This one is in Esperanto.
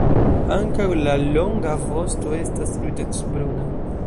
Ankaŭ la longa vosto estas ruĝecbruna.